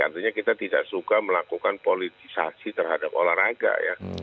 artinya kita tidak suka melakukan politisasi terhadap olahraga ya